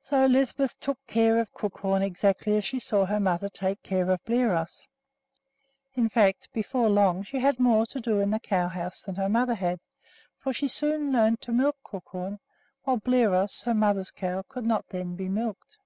So Lisbeth took care of Crookhorn exactly as she saw her mother take care of Bliros. In fact, before long she had more to do in the cow house than her mother had; for she soon learned to milk Crookhorn, while Bliros, her mother's cow, could not then be milked.